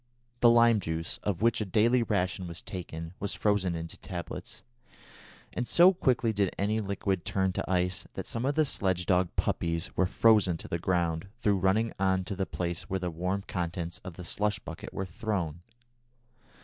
The lime juice, of which a daily ration was taken, was frozen into tablets, and so quickly did any liquid turn to ice that some of the sledge dog puppies were frozen to the ground through running on to the place where the warm contents of the slush bucket were thrown.